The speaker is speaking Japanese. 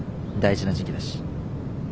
大事な時期だし。